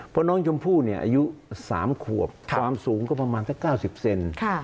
เพราะน้องชมพู่อายุ๓ขวบความสูงก็ประมาณสัก๙๐เซน